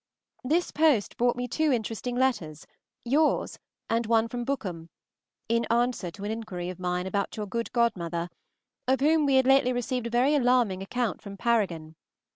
This post brought me two interesting letters, yours and one from Bookham, in answer to an inquiry of mine about your good godmother, of whom we had lately received a very alarming account from Paragon.